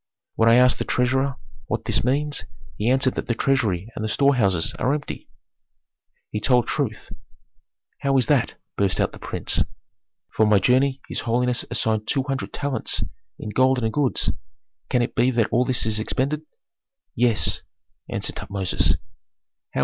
When I asked the treasurer what this means, he answered that the treasury and the storehouses are empty." "He told truth." "How is that?" burst out the prince. "For my journey his holiness assigned two hundred talents in gold and goods. Can it be that all this is expended?" "Yes," answered Tutmosis.